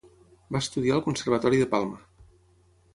Va estudiar al Conservatori de Palma.